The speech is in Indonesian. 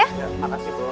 ya terima kasih bu